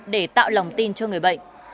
để tạo lòng tin cho người bệnh